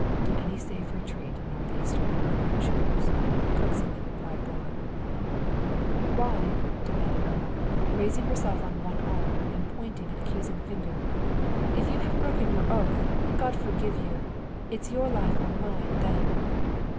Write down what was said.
"To any safe retreat in north eastern Europe you choose," coaxingly replied Braun. "Why?" demanded Irma, raising herself on one arm and pointing an accusing finger. "If you have broken your oath, God forgive you! It's your life or mine, then!"